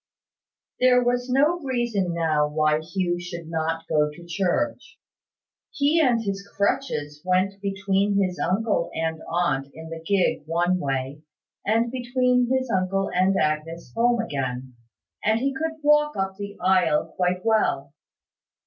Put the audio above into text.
There was no reason now why Hugh should not go to church. He and his crutches went between his uncle and aunt in the gig one way, and between his uncle and Agnes home again; and he could walk up the aisle quite well.